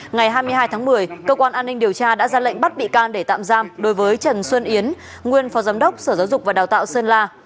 ngày hai mươi hai tháng một mươi cơ quan an ninh điều tra đã ra lệnh bắt bị can để tạm giam đối với trần xuân yến nguyên phó giám đốc sở giáo dục và đào tạo sơn la